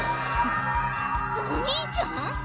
お兄ちゃん！？